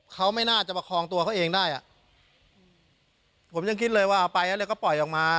เขาไม่น่าจะประคองตัวเขาเองได้อ่ะผมยังคิดเลยว่าเอาไปแล้วก็ปล่อยออกมา